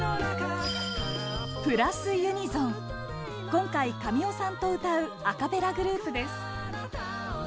今回、神尾さんと歌うアカペラグループです。